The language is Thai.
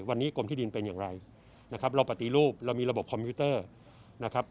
วันนี้กรมที่ดินเป็นอย่างไรนะครับเราปฏิรูปเรามีระบบคอมพิวเตอร์นะครับ